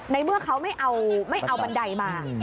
ในเมื่อเขาไม่เอาบันไดมา